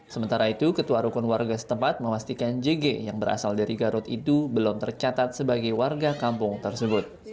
sementara itu ketua rukun warga setempat memastikan jg yang berasal dari garut itu belum tercatat sebagai warga kampung tersebut